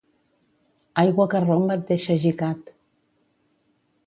Aigua que romp et deixa gicat.